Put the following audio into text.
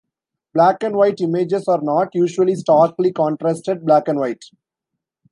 Black-and-white images are not usually starkly contrasted black and white.